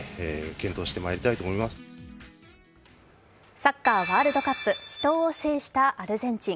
サッカーワールドカップ死闘を制したアルゼンチン。